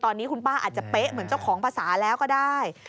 ตอนนี้คุณป้าอาจจะเป๊ะเหมือนเจ้าของภาษาแล้วก็ได้